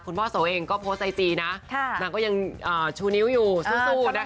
โสเองก็โพสต์ไอจีนะนางก็ยังชูนิ้วอยู่สู้นะคะ